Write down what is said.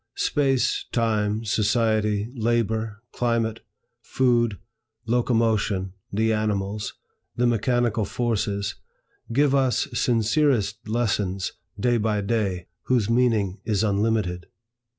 Space, time, society, labor, climate, food, locomotion, the animals, the mechanical forces, give us sincerest lessons, day by day, whose meaning is unlimited.